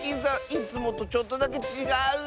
いつもとちょっとだけちがう！